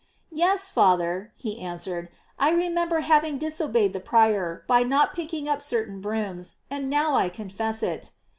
"Yes, Father," he answered, " I remember having dis obeyed the prior, by not picking up certain brooms, and now I confess it."